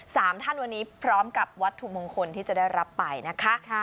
สามท่านวันนี้พร้อมกับวัตถุมงคลที่จะได้รับไปนะคะ